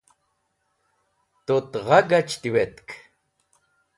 Tut gha gach tiwetk.